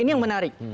ini yang menarik